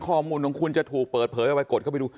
ข้อมูลของคุณจะถูกเปิดเผยออกไปกดเข้าไปดู